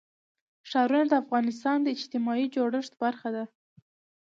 ښارونه د افغانستان د اجتماعي جوړښت برخه ده.